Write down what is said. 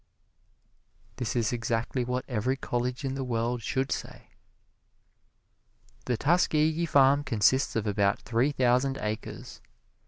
This is exactly what every college in the world should say. The Tuskegee farm consists of about three thousand acres.